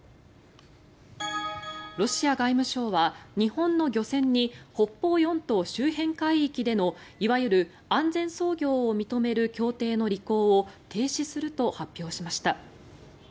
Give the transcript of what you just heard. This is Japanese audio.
ロシア外務省は日本の漁船に北方四島周辺海域でのいわゆる安全操業を認める協定の履行を停止すると発表しました。